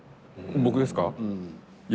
僕ですか？